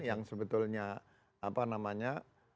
yang sebetulnya apa namanya